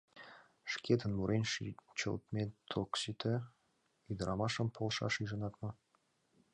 — Шкетын мурен шинчылтмет ок сите, ӱдырамашым полшаш ӱжынат мо?